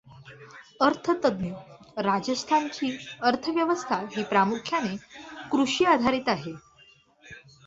अर्थतंत्र राजस्थान ची अर्थव्यवस्था ही प्रामुख्याने कृषीआधारित आहे.